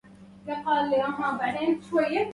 رأيت جليسي لا يزال يروعه